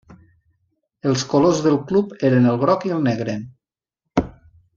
Els colors del club eren el groc i el negre.